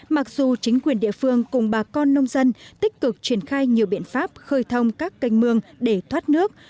mặc dù chính quyền địa phương cùng bà con nông dân tích cực triển khai nhiều biện pháp khơi thông các canh mương để thoát nước